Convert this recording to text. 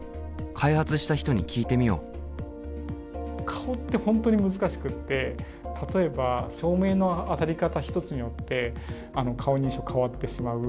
顔って本当に難しくって例えば照明の当たり方一つによって顔認証変わってしまう。